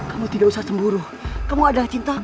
aku tidak bermaksud melukai mu berdikah